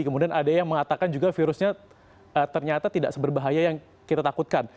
kemudian ada yang mengatakan juga virusnya ternyata tidak seberbahaya yang kita takutkan